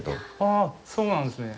ああ、そうなんですね。